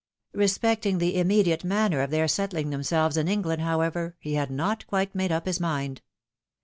Respecting the immediate manner of their settling themselves in England, however, he had not quite made up his mind.